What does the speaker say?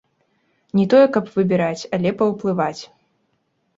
Не тое, каб выбіраць, але паўплываць.